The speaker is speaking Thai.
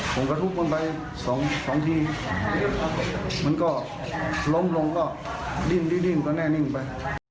ผมก็ทุบมันไปสองทีมันก็ล้มลงก็ดิ้นดิ้นก็แน่นิ่งไป